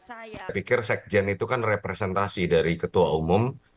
saya pikir sekjen itu kan representasi dari ketua umum